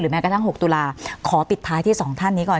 แม้กระทั่ง๖ตุลาขอปิดท้ายที่๒ท่านนี้ก่อน